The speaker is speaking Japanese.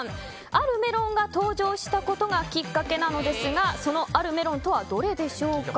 あるメロンが登場したことがきっかけなんですがそのあるメロンとはどれでしょうか？